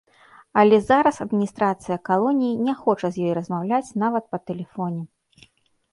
Але зараз адміністрацыя калоніі не хоча з ёй размаўляць нават па тэлефоне.